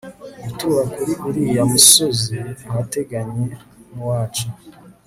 gutura kuri uriya musozi ahateganye n'uwacu